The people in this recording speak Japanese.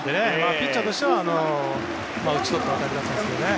ピッチャーとしては打ち取った当たりだったんですけどね。